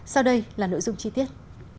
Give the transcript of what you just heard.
sau đây là nội dung chi tiết